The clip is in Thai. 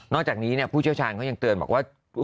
จากนี้ผู้เชี่ยวชาญเขายังเตือนบอกว่า